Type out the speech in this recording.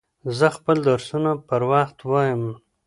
زه خپل درسونه پر وخت وایم.